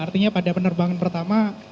artinya pada penerbangan pertama